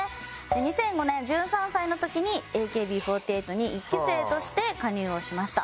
２００５年１３歳の時にＡＫＢ４８に１期生として加入をしました。